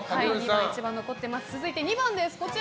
続いて２番です。